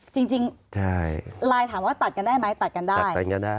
จริงไลน์ถามว่าตัดกันได้ไหมตัดกันได้